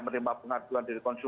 menerima pengaduan dari konsumen